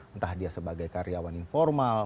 entah dia sebagai karyawan informal